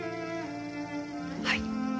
はい。